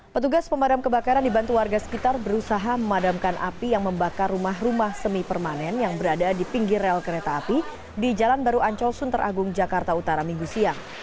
petugas pemadam kebakaran dibantu warga sekitar berusaha memadamkan api yang membakar rumah rumah semi permanen yang berada di pinggir rel kereta api di jalan baru ancol sunter agung jakarta utara minggu siang